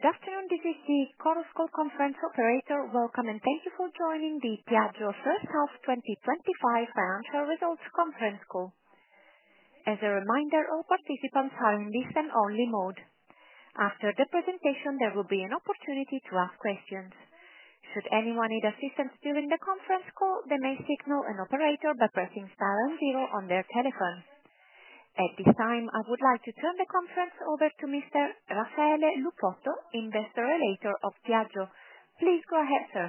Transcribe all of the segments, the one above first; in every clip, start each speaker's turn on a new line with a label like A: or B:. A: Good afternoon, this is the Chorus Call conference operator. Welcome and thank you for joining the Piaggio & C. SpA First Half 2025 Financial Results Conference call. As a reminder, all participants are in listen-only mode. After the presentation, there will be an opportunity to ask questions. Should anyone need assistance during the conference call, they may signal an operator by pressing star and zero on their telephones. At this time, I would like to turn the conference over to Mr. Raffaele Lupotto, Investor Relations of Piaggio. Please go ahead, sir.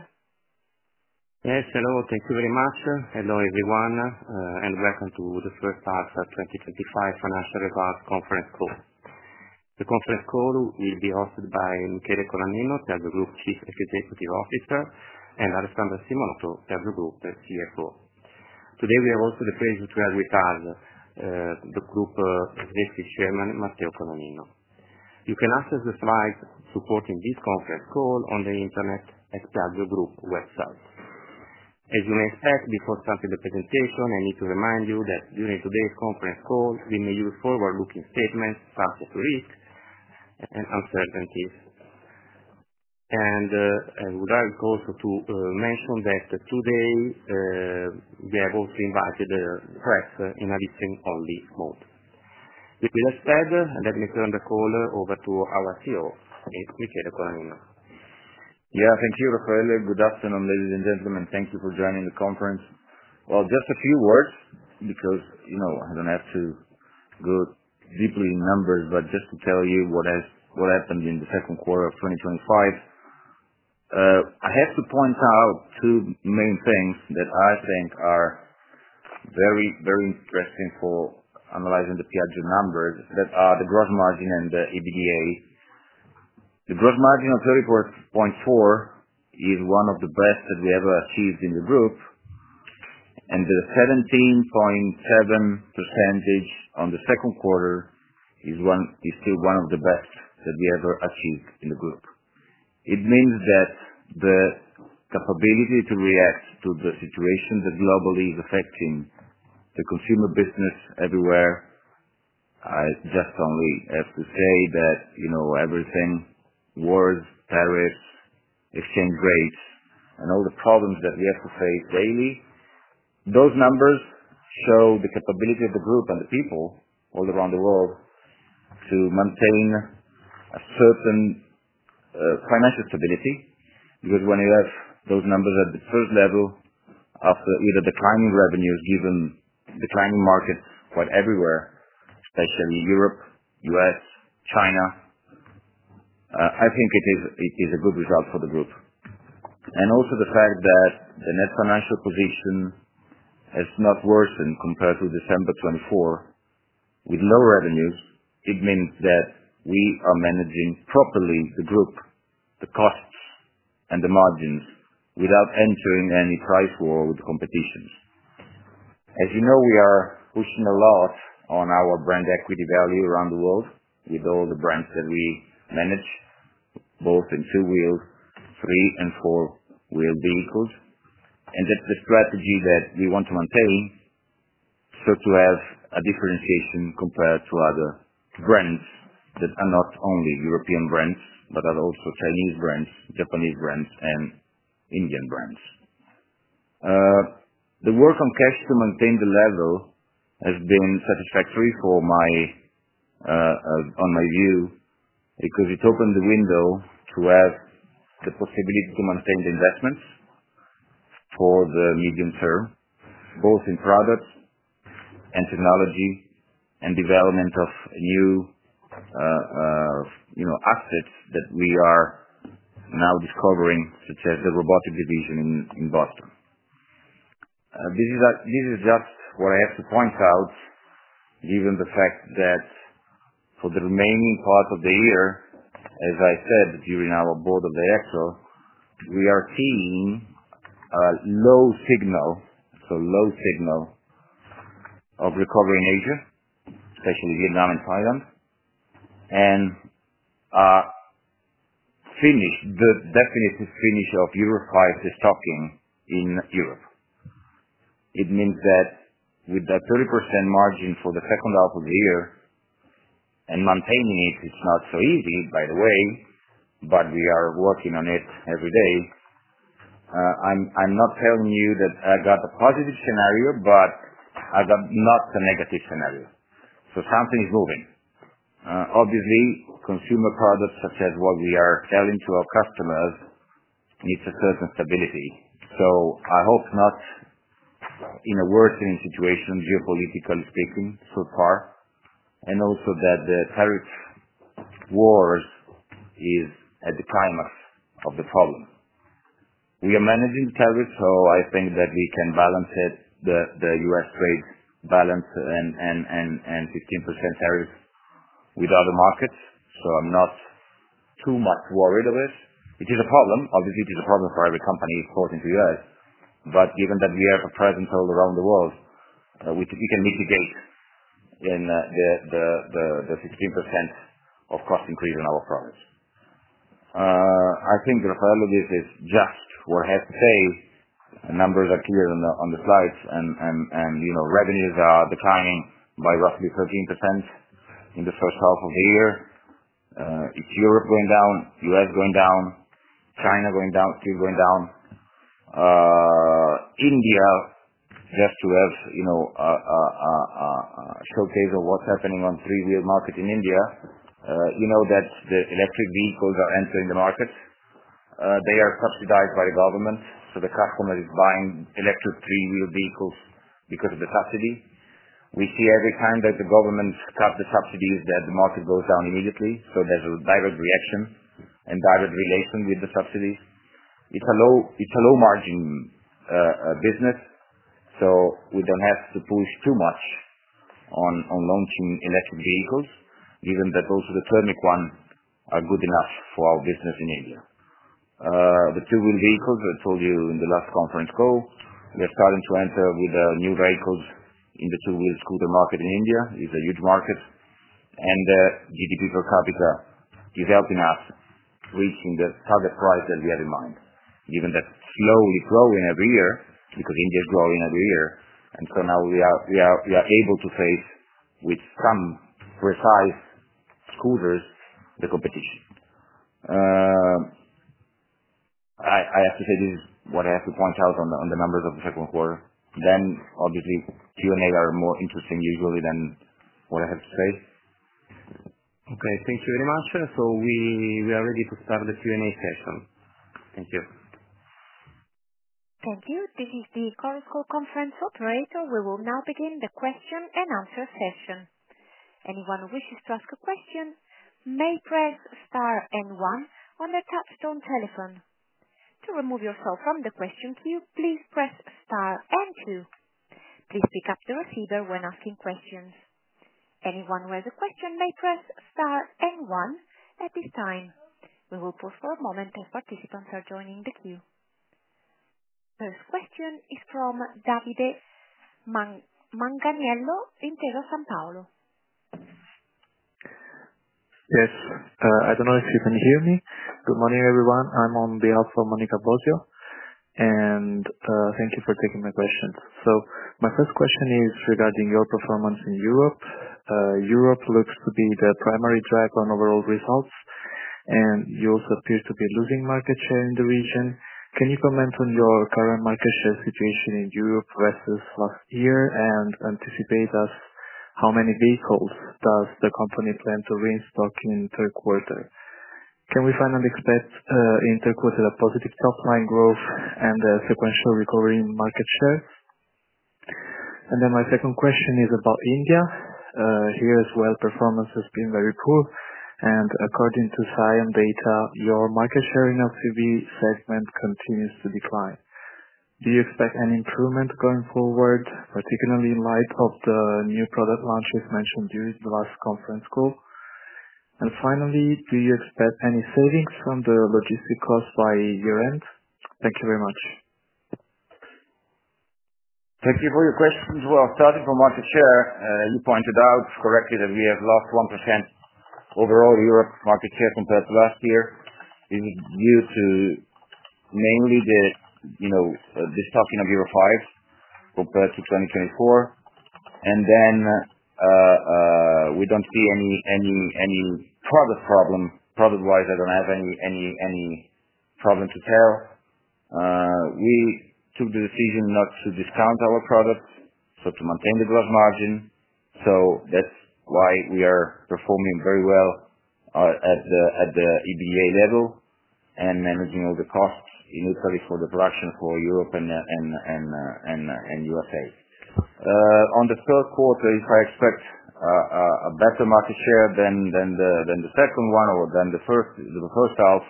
B: Yes, hello. Thank you very much. Hello everyone, and welcome to the First Half 2025 Financial Results Conference call. The conference call will be hosted by Michele Colaninno, Piaggio Group Chief Executive Officer, and Alessandra Simonotto, Piaggio Group CFO. Today, we also have the pleasure to have with us the Group Executive Chairman, Matteo Colaninno. You can access the slides supporting this conference call on the internet at the Piaggio Group website. As you may expect, before the start of the presentation, I need to remind you that during today's conference call, we may use forward-looking statements, subject to risk and uncertainties. I would also like to mention that today, we have also invited the press in a listen-only mode. With that said, let me turn the call over to our CEO, Michele Colaninno.
C: Thank you, Raffaele. Good afternoon, ladies and gentlemen. Thank you for joining the conference. Just a few words, because you know I don't have to go deeply in numbers, but just to tell you what happened in the second quarter of 2025. I have to point out two main things that I think are very, very interesting for analyzing the Piaggio numbers that are the gross margin and the EBITDA. The gross margin of 34.4% is one of the best that we ever achieved in the group, and the 17.7% on the second quarter is still one of the best that we ever achieved in the group. It means that the capability to react to the situation that globally is affecting the consumer business everywhere. I just only have to say that, you know, everything: wars, tariffs, exchange rates, and all the problems that we have to face daily, those numbers show the capability of the group and the people all around the world to maintain a certain financial stability. Because when you have those numbers at the third level after either declining revenues, given the declining market quite everywhere, like in Europe, U.S., China, I think it is a good result for the group. Also the fact that the net financial position has not worsened compared to December 2024 with lower revenue, it means that we are managing properly the group, the costs, and the margins without entering any price war with the competition. As you know, we are pushing a lot on our brand equity value around the world with all the brands that we manage, both in two-wheel, three and four-wheel vehicles. That's the strategy that we want to maintain, to have a differentiation compared to other brands that are not only European brands, but are also Chinese brands, Japanese brands, and Indian brands. The work on cash to maintain the level has been satisfactory in my view, because it opened the window to have the possibility to maintain the investments for the medium term, both in products and technology and development of new, you know, assets that we are now discovering, such as the robotic division in Boston. This is just what I have to point out, given the fact that for the remaining part of the year, as I said during our board of directors, we are seeing a low signal, so low signal of recovery in Asia, especially Vietnam and Thailand, and the definitive finish of Euro 5 stocking in Europe. It means that with that 30% margin for the second half of the year, and maintaining it is not so easy, by the way, but we are working on it every day. I'm not telling you that I got a positive scenario, but I got not a negative scenario. Something's moving. Obviously, consumer products, such as what we are selling to our customers, need a certain stability. I hope not in a worse-turning situation, geopolitically speaking, so far, and also that the tariff wars are at the climax of the problem. We are managing the tariffs, so I think that we can balance it, the U.S. trade balance, and 15% tariffs with other markets. I'm not too much worried of it. It is a problem. Obviously, it is a problem for every company, according to you guys. Given that we have a presence all around the world, we can mitigate the 16% of cost increase in our products. I think, Raffaele, this is just what I have to say. The numbers are clear on the slides, and you know revenues are declining by roughly 13% in the first half of the year. It's Europe going down, U.S. going down, China going down, Sweden going down. India has to have a showcase of what's happening on the three-wheeler market in India. You know that the electric vehicles are entering the market. They are subsidized by the government, so the customer is buying electric three-wheeler vehicles because of the subsidy. We see every time that the government stops the subsidies, that the market goes down immediately. There's a direct reaction and direct relation with the subsidies. It's a low margin business, so we don't have to push too much on launching electric vehicles, given that those of the thermic ones are good enough for our business in India. The two-wheel vehicles, I told you in the last conference call, we are starting to enter with the new vehicles in the two-wheel scooter market in India. It's a huge market. The capital is helping us reaching the target price that we have in mind, given that flow is growing every year because India is growing every year. Now we are able to face, with some precise scooters, the competition. I have to say this is what I have to point out on the numbers of the second quarter. Obviously, Q&As are more interesting usually than what I have to say.
B: Thank you very much. We are ready to start the Q&A session. Thank you.
A: Thank you. This is the Chorus Call conference operator. We will now begin the question and answer session. Anyone who wishes to ask a question may press star and one on the touchstone telephone. To remove yourself from the question queue, please press star and one. Please pick up the receiver when asking questions. Anyone who has a question may press star and one at this time. We will pause for a moment as participants are joining the queue. The question is from Davide Manganiello, Intesa Sanpaolo.
D: Yes. I don't know if you can hear me. Good morning, everyone. I'm on behalf of Monica Bosio, and thank you for taking my questions. My first question is regarding your performance in Europe. Europe looks to be the primary drag on overall results, and Europe appears to be losing market share in the region. Can you comment on your current market share situation in Europe versus last year and anticipate us how many vehicles does the company plan to reinstock in the third quarter? Can we finally expect in the third quarter a positive stock line growth and a sequential recovery in market shares? My second question is about India. Here as well, performance has been very poor. According to SIAM data, your market share in the LCV segment continues to decline. Do you expect any improvement going forward, particularly in light of the new product launches mentioned during the last conference call? Finally, do you expect any savings from the logistic costs by year-end? Thank you very much.
C: Thank you for your questions. Starting from market share, you pointed out correctly that we have lost 1% overall in Europe's market share compared to last year. It is due mainly to the stocking of Euro 5 compared to 2024. We don't see any product problems. Product-wise, I don't have any problem to tell. We took the decision not to discount our product, so to maintain the gross margin. That's why we are performing very well at the EBITDA level and managing all the costs initially for the production for Europe and the U.S. On the third quarter, if I expect a better market share than the second one or than the first half,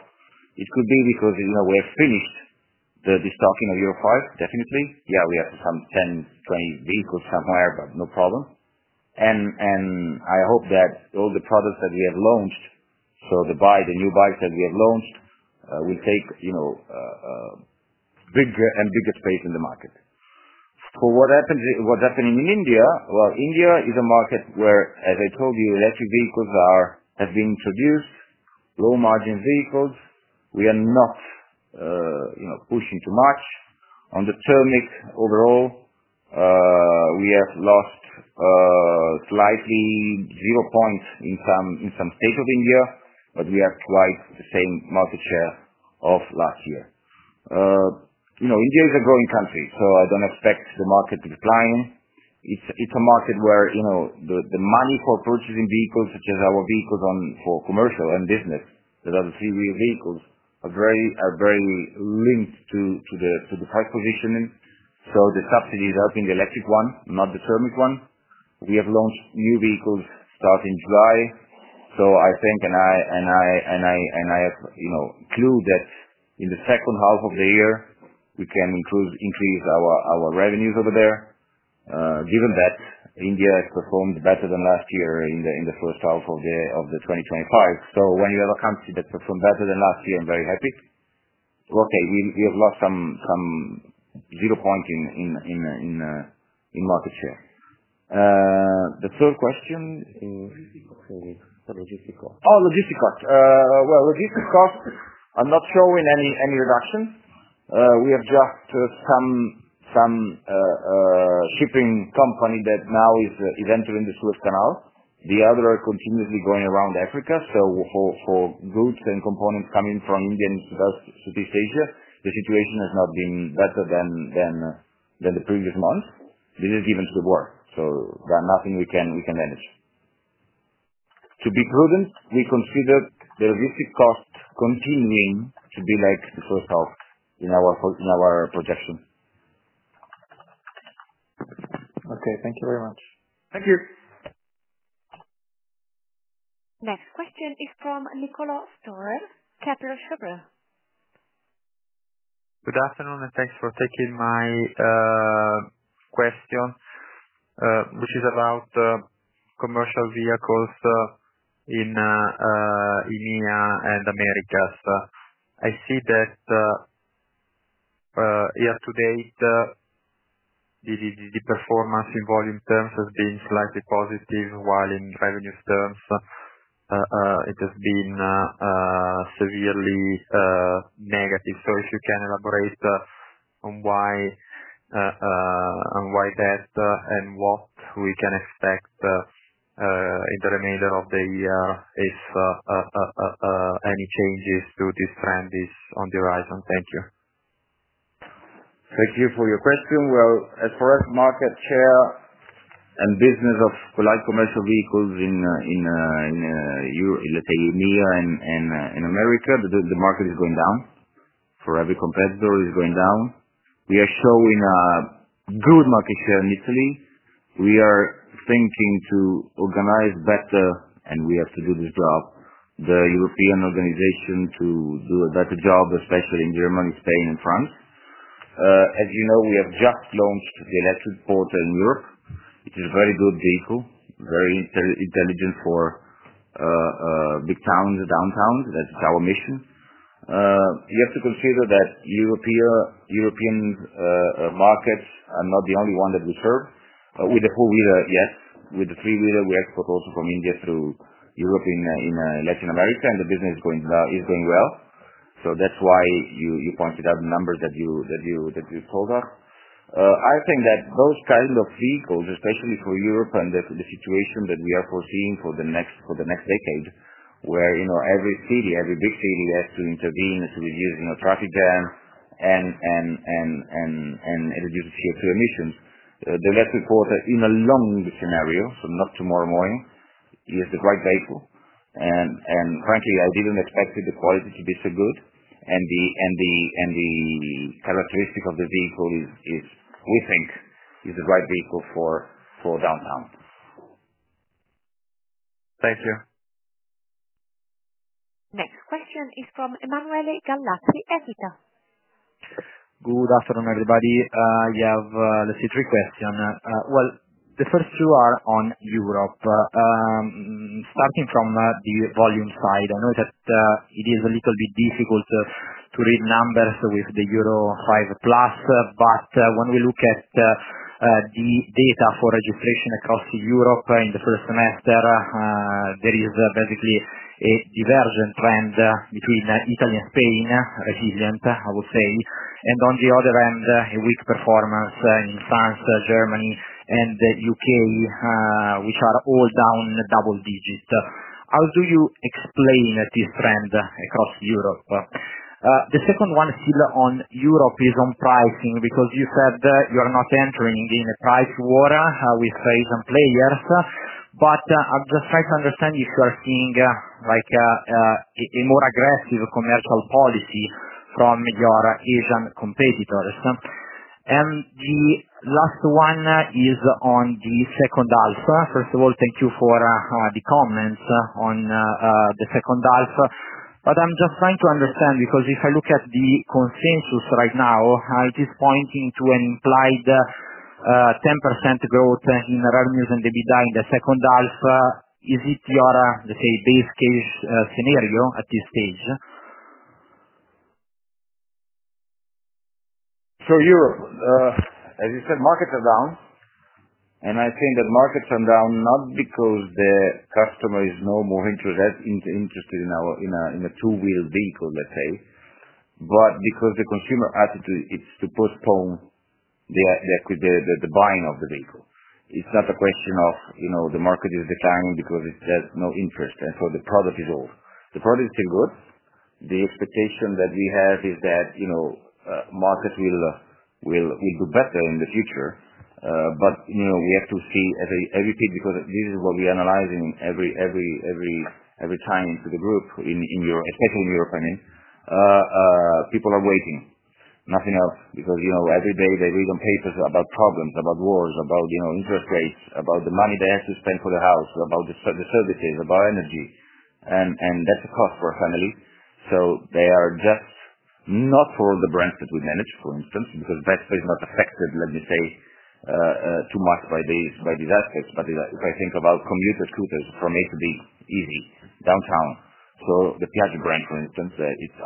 C: it could be because we have finished the stocking of Euro 5, definitely. We have to come 10, 20 vehicles somewhere, but no problem. I hope that all the products that we have launched, so the new bikes that we have launched, will take bigger and bigger space in the market. For what's happening in India, India is a market where, as I told you, electric vehicles have been introduced, low-margin vehicles. We are not pushing too much. On the thermic, overall, we have lost slightly zero points in some states of India, but we have quite the same market share of last year. India is a growing country, so I don't expect the market to decline. It's a market where the money for purchasing vehicles, such as our vehicles for commercial and business, that are the three-wheeler vehicles, are very linked to the price positioning. The subsidy is helping the electric one, not the thermic one. We have launched new vehicles starting July. I think, and I have clued that in the second half of the year, we can increase our revenues over there, given that India performed better than last year in the first half of 2025. When you have a country that performed better than last year, I'm very happy. We have lost some zero point in market share. The third question in. Logistic costs are good. The logistic costs. Oh, logistic costs. Logistic costs, I'm not showing any reductions. We have just some shipping company that now is entering the Suez Canal. The others are continuously going around Africa. For goods and components coming from India to us, to East Asia, the situation has not been better than the previous month. This is given to the war. There's nothing we can manage. To be prudent, we consider the logistic costs continuing to be like the first half in our projection.
D: Okay, thank you very much.
C: Thank you.
A: Next question is from Niccolò Guido Storer, Kepler Cheuvreux.
E: Good afternoon, and thanks for taking my question, which is about commercial vehicles in India and the Americas. I see that year to date, the performance in volume terms has been slightly positive, while in revenue terms, it has been severely negative. If you can elaborate on why that is, and what we can expect in the remainder of the year, if any changes to this trend are on the horizon. Thank you.
C: Thank you for your question. A correct market share and business of light commercial vehicles in India and America, the market is going down. For every competitor, it's going down. We are showing a good market share in Italy. We are thinking to organize better, and we have to do this job, the European organization, to do a better job, especially in Germany, Spain, and France. As you know, we have just launched the Electric Porter in Europe, which is a very good vehicle, very intelligent for big towns and downtowns. That's our mission. You have to consider that European markets are not the only ones that we serve. With the four-wheeler, yes. With the three-wheeler, we export also from India to Europe and Latin America, and the business is going well. That's why you pointed out the numbers that you showed us. I think that those types of vehicles, especially for Europe and the situation that we are foreseeing for the next decade, where every city, every big city wants to intervene to reduce traffic jam and reduce the CO2 emissions. The Electric Porter, in a long scenario, so not tomorrow morning, is the right vehicle. Frankly, I didn't expect the quality to be so good. The characteristic of the vehicle is, we think, the right vehicle for downtown.
D: Thank you.
A: Next question is from Emanuele Gallazzi, Equita.
F: Good afternoon, everybody. I have three questions. The first two are on Europe. Starting from the volume side, I know that it is a little bit difficult to read numbers with the Euro 5 but when we look at the data for registration across Europe in the first semester, there is basically a divergent trend between Italy and Spain, resilient, I would say, and on the other end, a weak performance in France, Germany, and the UK, which are all down in the double digits. How do you explain this trend across Europe? The second one is still on Europe and is on pricing because you said you are not entering in a price war with Asian players. I'm just trying to understand if you are seeing a more aggressive commercial policy from your Asian competitors. The last one is on the second half. First of all, thank you for the comments on the second half. I'm just trying to understand because if I look at the consensus right now, it is pointing to an implied 10% growth in revenues and EBITDA in the second half. Is it your base case scenario at this stage?
C: Europe, as you said, markets are down. I think that markets are down not because the customer is no more interested in a two-wheel vehicle, let's say, but because the consumer attitude is to postpone the buying of the vehicle. It's not a question of the market declining because it has no interest and so the product is old. The product is still good. The expectation that we have is that market will do better in the future. We have to see as every piece because this is what we analyze every time to the group in Europe, especially in Europe. People are waiting. Nothing else because every day they read on papers about problems, about wars, about interest rates, about the money they have to spend for their house, about the services, about energy. That's a cost for a family. They are just not for all the brands that we manage, for instance, because that's not affected, let me say, too much by these aspects. If I think about commuter scooters from A to B, easy, downtown. The Piaggio brand, for instance, it's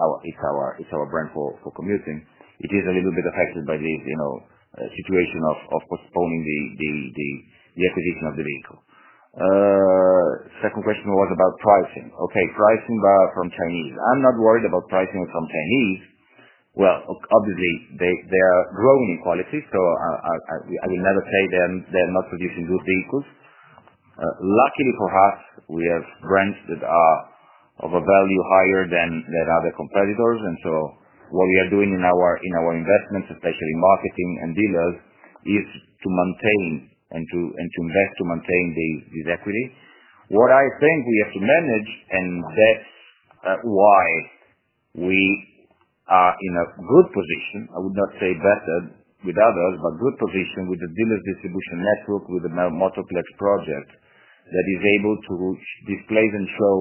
C: our brand for commuting. It is a little bit affected by this situation of postponing the acquisition of the vehicle. The second question was about pricing from Chinese. I'm not worried about pricing from Chinese. Obviously, they are growing in quality, so I will never say they're not producing good vehicles. Luckily for us, we have brands that are of a value higher than other competitors. What we are doing in our investments, especially in marketing and dealers, is to maintain and to invest to maintain this equity. What I think we have to manage, and that's why we are in a good position, I would not say better with others, but good position with the dealer's distribution network with the Motoplex project, that is able to display and show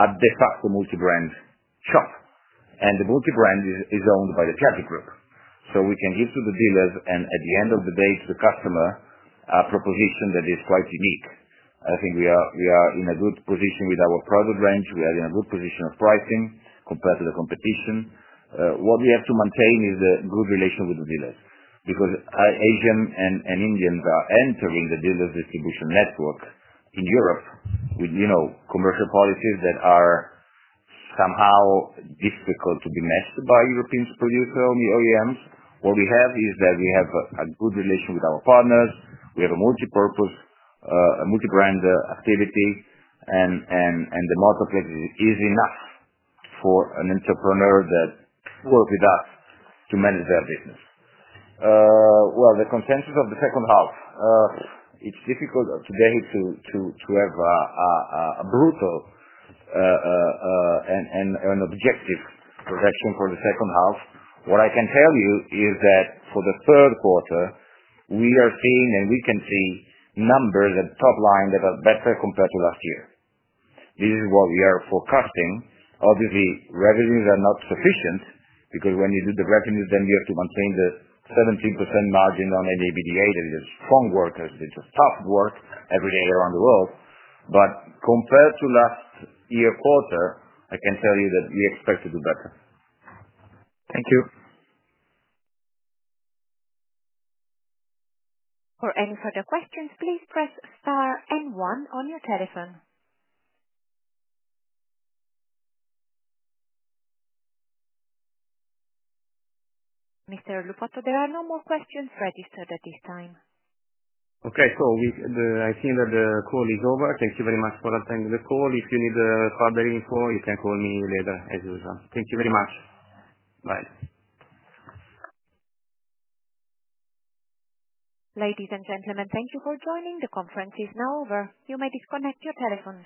C: a de facto multi-brand shop. The multi-brand is owned by the Piaggio Group. We can give to the dealers, and at the end of the day, to the customer, a proposition that is quite unique. I think we are in a good position with our product range. We are in a good position of pricing compared to the competition. What we have to maintain is the good relation with the dealers. Because Asians and Indians are entering the dealer's distribution network in Europe with, you know, commercial policies that are somehow difficult to be met by European OEMs. What we have is that we have a good relation with our partners. We have a multi-purpose, multi-brand activity. The Motoplex is enough for an entrepreneur that works with us to manage their business. The consensus of the second half, it's difficult today to have a brutal and objective projection for the second half. What I can tell you is that for the third quarter, we are seeing, and we can see numbers at the top line that are better compared to last year. This is what we are forecasting. Obviously, revenues are not sufficient because when you do the revenues, then you have to maintain the 17% margin on an EBITDA. That is a strong work. It's a tough work every day around the world. Compared to last year's quarter, I can tell you that we expect to do better.
D: Thank you.
A: For any further questions, please press star and one on your telephone. Mr. Lupotto, there are no more questions registered at this time.
B: Okay, I think that the call is over. Thank you very much for attending the call. If you need further info, you can call me later as usual. Thank you very much. Bye.
A: Ladies and gentlemen, thank you for joining. The conference is now over. You may disconnect your telephone.